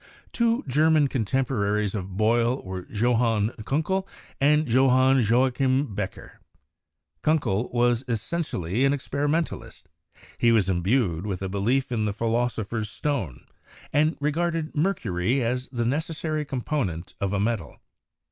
Two German contemporaries of Boyle were Johann Kunckel and Johann Joachim Becher. Kunckel was es sentially an experimentalist; he was imbued with a belief in the Philosopher's Stone, and regarded mercury as the necessary component of a metal.